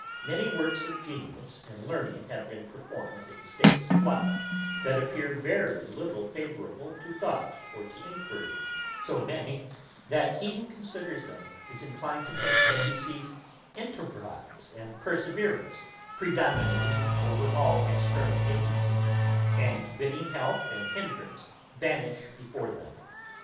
Many works of genius and learning have been performed in states of life, that appear very little favourable to thought or to enquiry; so many, that he who considers them is inclined to think that he sees enterprise and perseverance predominating over all external agency, and bidding help and hindrance vanish before them.